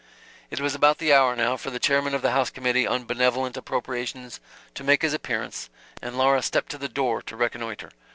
It was about the hour, now, for the chairman of the House Committee on Benevolent Appropriations to make his appearance, and Laura stepped to the door to reconnoiter.